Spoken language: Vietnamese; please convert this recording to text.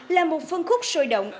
là một phân khúc sôi động